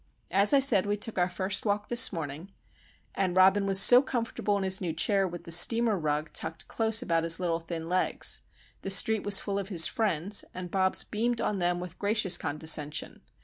As I said, we took our first walk this morning, and Robin was so comfortable in his new chair with the steamer rug tucked close about his little thin legs! The street was full of his "friends," and Bobs beamed on them with gracious condescension.